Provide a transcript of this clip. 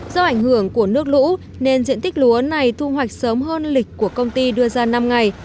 do ảnh hưởng của nước lũ nên diện tích lúa này thu hoạch sớm hơn lịch của công ty đưa ra năm ngày